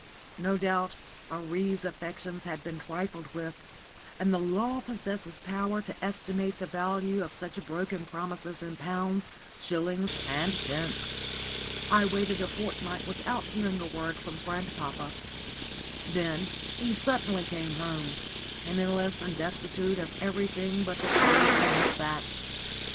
No doubt Marie's affections had been trifled with, and the law possesses power to estimate the value of such broken promises in pounds, shillings, and pence. I waited a fortnight without hearing a word from grandpapa. Then he suddenly came home, penniless and destitute of everything but the clothes on his back.